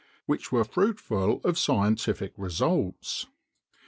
which were fruitful of scientific results.